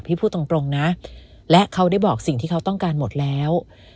พูดตรงนะและเขาได้บอกสิ่งที่เขาต้องการหมดแล้ว